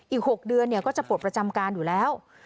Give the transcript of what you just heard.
อีก๖เดือนก็จะปลดประจำการอยู่แล้ว